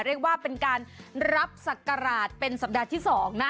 เรียกว่าเป็นการรับศักราชเป็นสัปดาห์ที่๒นะ